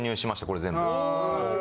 これ全部。